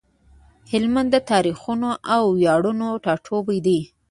هلمند د تاريخونو او وياړونو ټاټوبی دی۔